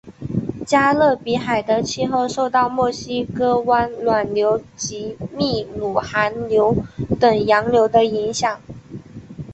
加勒比海的气候受到墨西哥湾暖流及秘鲁寒流等洋流的影响。